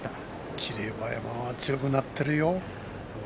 霧馬山は強くなっているよ。